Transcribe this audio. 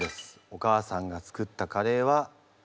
お母さんが作ったカレーはＡＢＣ